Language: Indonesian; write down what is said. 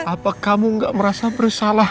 apa kamu gak merasa bersalah